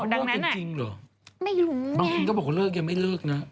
พูดจริงจริงหรอไม่รู้เนี้ยบางทีก็บอกเลิกยังไม่เลิกนะ